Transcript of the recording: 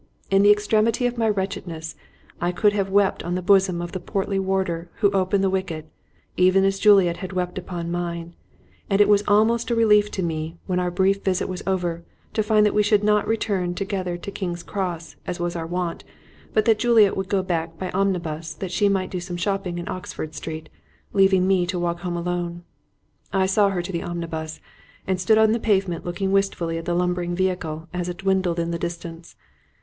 In the extremity of my wretchedness I could have wept on the bosom of the portly warder who opened the wicket, even as Juliet had wept upon mine; and it was almost a relief to me, when our brief visit was over, to find that we should not return together to King's Cross as was our wont, but that Juliet would go back by omnibus that she might do some shopping in Oxford Street, leaving me to walk home alone. I saw her into her omnibus, and stood on the pavement looking wistfully at the lumbering vehicle as it dwindled in the distance.